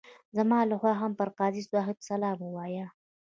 زما لخوا هم پر قاضي صاحب سلام ووایه.